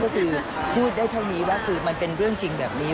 ก็คือพูดได้เท่านี้ว่าคือมันเป็นเรื่องจริงแบบนี้